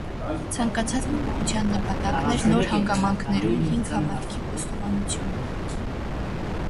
Ցանկացած փոփոխության նպատակն էր նոր հանգամանքներում հին հավատքի խոստովանությունը։